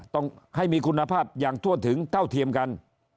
ต้องให้มีคุณภาพอย่างทั่วถึงเท่าเทียมกัน